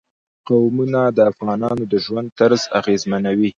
قومونه د افغانانو د ژوند طرز اغېزمنوي.